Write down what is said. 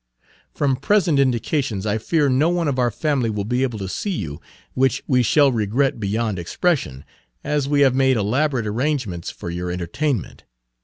From present indications I fear no one of our family will be able to see you, which we shall regret beyond expression, as we have made elaborate arrangements for your entertainment.